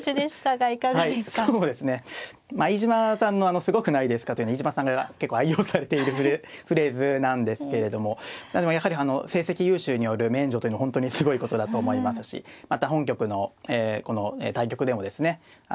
はいそうですね飯島さんの「すごくないですか」というのは飯島さんが結構愛用されているフレーズなんですけれどもやはり成績優秀による免除というのは本当にすごいことだと思いますしまた本局のこの対局でもですね